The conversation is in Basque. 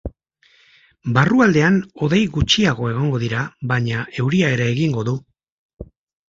Barrualdean hodei gutxiago egongo dira, baina euria ere egingo du.